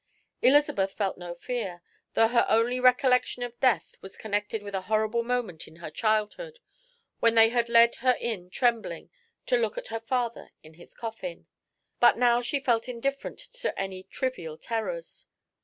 Elizabeth felt no fear, though her only recollection of death was connected with a horrible moment in her childhood, when they had led her in trembling to look at her father in his coffin. But now she felt indifferent to any trivial terrors.